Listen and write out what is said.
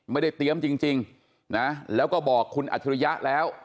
ไม่ได้เตรียมจริงนะแล้วก็บอกคุณอัจฉริยะแล้ว